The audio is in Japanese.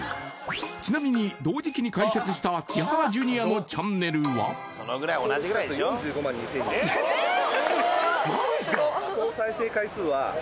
ちなみ同時期に開設した千原ジュニアのチャンネルはえっ！